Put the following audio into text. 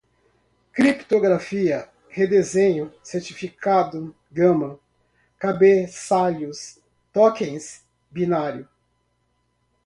inseguras, travamentos, criptografia, redesenho, certificado, gama, cabeçalhos, tokens, binário, privativas, reprojetada